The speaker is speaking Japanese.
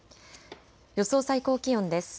予想最高気温です。